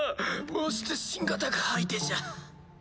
まして新型が相手じゃ。